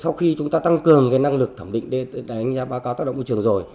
sau khi chúng ta tăng cường cái năng lực thẩm định để đánh giá báo cáo tác động môi trường rồi